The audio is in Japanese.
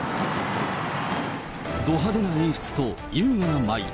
ど派手な演出と優雅な舞。